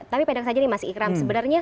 tapi pedang saja nih mas ikram sebenarnya